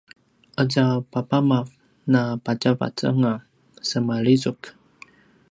aza papamav napatjavat anga semalizuk